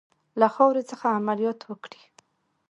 له خاورې څخه عملیات وکړي.